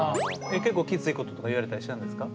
結構きついこととか言われたりしたんですか？